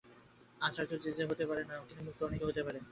আচার্য যে-সে হতে পারেন না, কিন্তু মুক্ত অনেকে হতে পারে।